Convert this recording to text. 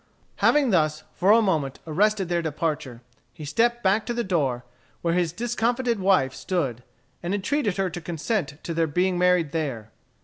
Having thus, for a moment, arrested their departure, he stepped back to the door, where his discomfited wife stood, and entreated her to consent to their being married there.